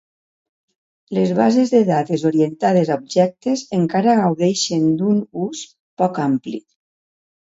Les bases de dades orientades a objectes encara gaudeixen d'un ús poc ampli.